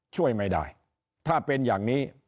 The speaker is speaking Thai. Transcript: ช่วยไม่ได้ถ้าเป็นอย่างนี้